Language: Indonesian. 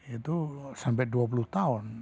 itu sampai dua puluh tahun